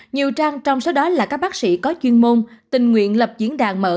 nhiều trang trong số đó là các bác sĩ có chuyên môn tình nguyện lập diễn đàn mở